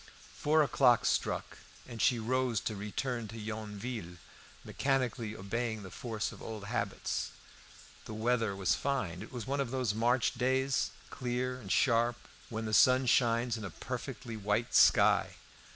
Four o'clock struck, and she rose to return to Yonville, mechanically obeying the force of old habits. The weather was fine. It was one of those March days, clear and sharp, when the sun shines in a perfectly white sky.